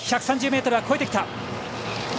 １３０ｍは越えてきた。